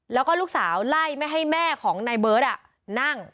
แล้วก็ลูกสาวไล่ไม่ให้แม่ของนายเบิร์ตนั่ง